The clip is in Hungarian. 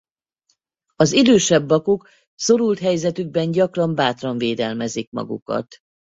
Az idősebb bakok szorult helyzetükben gyakran bátran védelmezik magukat.